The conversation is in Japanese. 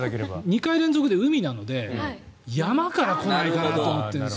２回連続で海なので山から来ないかなと思ってるんです。